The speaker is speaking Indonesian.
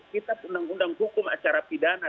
kitab undang undang hukum acara pidana